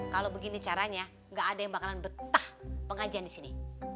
kalau begini caranya nggak ada yang bakalan betah pengajian di sini